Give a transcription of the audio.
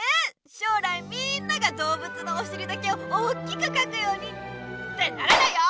しょうらいみんながどうぶつのおしりだけをおっきくかくようにってならないよ！